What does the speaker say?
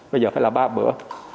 bây giờ phải là ba bữa